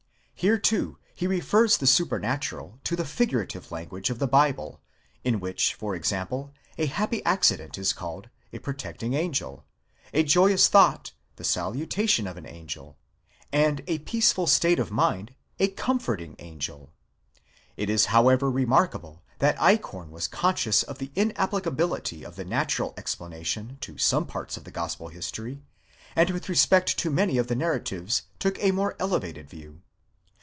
Here too, he refers the supernatural to the figurative language of the Bible; in which, for example, a happy accident is called—a protecting angel ; a joyous thought—the salutation of an angel; and a peaceful state of mind—a comforting angel. It is however remarkable that: DEVELOPMENT OF THE MYTHICAL POINT OF VIEW. 49 Eichhorn was conscious of the inapplicability of the natural explanation to some parts of the gospel history, and with respect to many of the narratives took a more elevated view.